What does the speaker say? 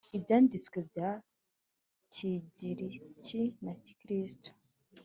Ibyanditswe bya kigiriki na gikristo